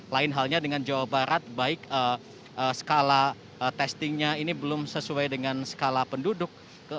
lain halnya dengan jawa barat baik skala testingnya ini belum sesuai dengan skala penduduk